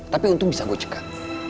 tapi untung bisa gue cekat